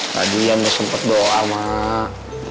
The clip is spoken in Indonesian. tadi yang udah sempat doa mak